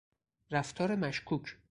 رفتار مشکوک